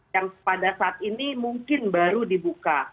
yang pada saat ini mungkin baru dibuka